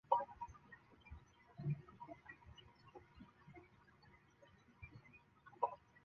治所在戎州西五百三十五里。